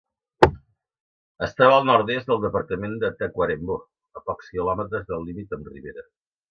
Es troba al nord-est del departament de Tacuarembó, a pocs quilòmetres del límit amb Rivera.